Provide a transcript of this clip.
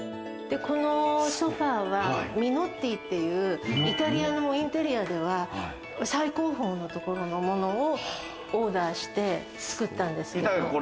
このソファはＭｉｎｏｔｔｉっていうイタリアのインテリアでは最高峰のところのものをオーダーして作ったんですけど。